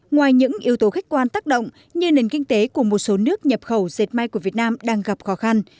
ngoài những yếu tố khách quan tác động như nền kinh tế của một số nước nhập khẩu dệt may của việt nam đang gặp khó khăn